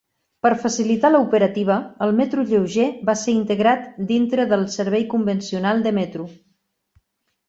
Per facilitar l'operativa, el Metro lleuger va ser integrat dintre del servei convencional de Metro.